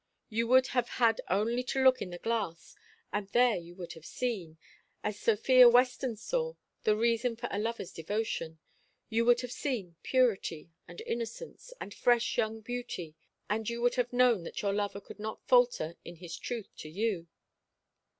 You would have had only to look in the glass, and there you would have seen, as Sophia Western saw, the reason for a lover's devotion. You would have seen purity and innocence, and fresh young beauty; and you would have known that your lover could not falter in his truth to you."